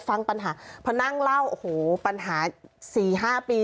ฟังปัญหาพอนั่งเล่าโอ้โหปัญหา๔๕ปี